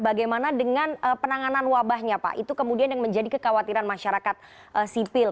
bagaimana dengan penanganan wabahnya pak itu kemudian yang menjadi kekhawatiran masyarakat sipil